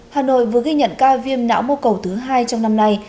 hà nội vừa ghi nhận ca viêm não mô cầu thứ hai trong năm nay